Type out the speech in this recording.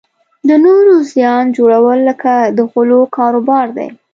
د نورو زیان جوړول لکه د غولو کاروبار دی.